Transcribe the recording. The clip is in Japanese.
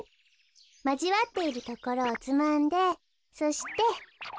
まじわっているところをつまんでそして。